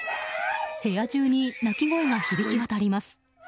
部屋中に泣き声が響き渡ります。